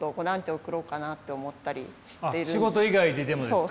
仕事以外ででもですか？